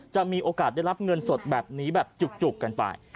จะมีโอกาสได้รับเงินสดแบบนี้แบบจุกกันไป